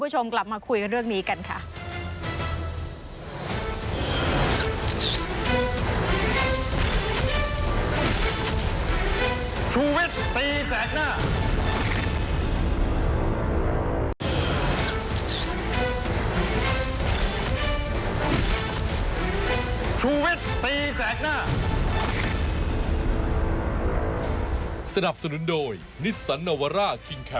ช่วงหน้าคุณผู้ชมกลับมาคุยกับเรื่องนี้กันค่ะ